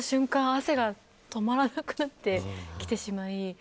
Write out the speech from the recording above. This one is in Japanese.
汗が止まらなくなってきてしまい。